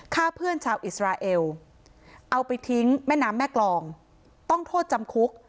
ฆ่าเพื่อนชาวอิสราเอลเอาไปทิ้งแม่น้ำแม่กรองต้องโทษจำคุก